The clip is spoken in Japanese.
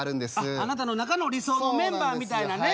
あなたの中の理想のメンバーみたいなね。